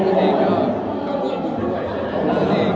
คุณพี่ก็เหงื่อดูด้วย